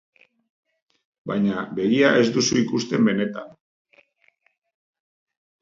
Baina begia ez duzu ikusten benetan.